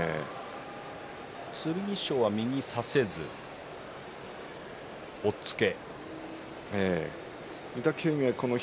剣翔は右を差せず押っつけ。